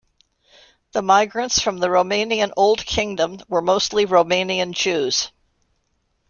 The migrants from the Romanian Old Kingdom were mostly Romanian Jews.